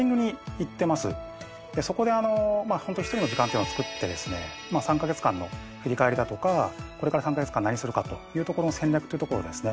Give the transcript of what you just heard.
そこでホント１人の時間っていうのをつくってですね３カ月間の振り返りだとかこれから３カ月間何するかというところの戦略ってところをですね